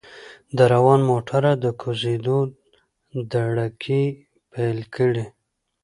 له روان موټره د کوزیدو دړکې پېل کړې.